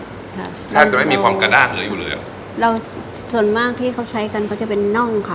แทบจะไม่มีความกระด้างเหลืออยู่เลยอ่ะเราส่วนมากที่เขาใช้กันเขาจะเป็นน่องค่ะ